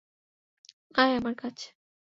আয় আমার কাছে!